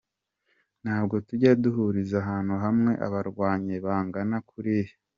Ntabwo tujya duhuriza ahantu hamwe abarwanyi bangana kuriya.